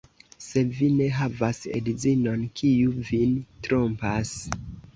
Sed vi ne havas edzinon, kiu vin trompas.